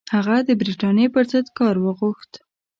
هغه د برټانیې پر ضد کار وغوښت.